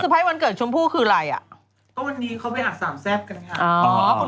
สุพัยวันเกิดชมพู่คือไรอะตอนนี้เขาไปอาจสามแซ่บกำลังงาน